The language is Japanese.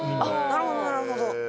なるほどなるほど。